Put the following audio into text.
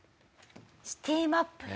『シティマップル』。